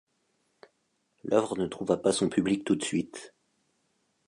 L'œuvre ne trouva pas son public tout de suite.